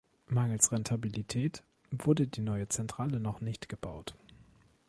Mangels Rentabilität wurde die neue Zentrale noch nicht gebaut.